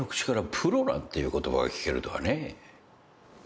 プロなんていう言葉が聞けるとはね。